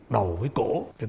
đầu với cổ